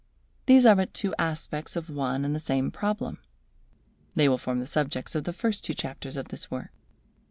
These are but two aspects of one and the same problem. They will form the subjects of the two first chapters of this work.